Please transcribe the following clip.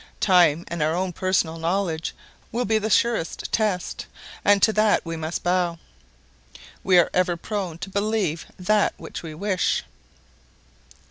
Time and our own personal knowledge will be the surest test, and to that we must bow. We are ever prone to believe that which we wish.